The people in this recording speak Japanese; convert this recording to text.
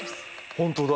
本当だ。